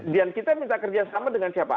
dan kita minta kerjasama dengan siapa